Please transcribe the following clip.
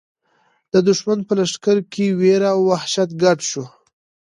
د دښمن په لښکر کې وېره او وحشت ګډ شو.